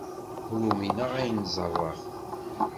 Ur umineɣ ayen ẓerreɣ.